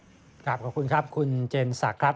ครับขอบคุณครับคุณเจนสักครับ